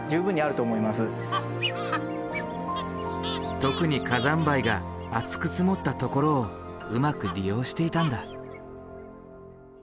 特に火山灰が厚く積もったところをうまく利用していたんだ。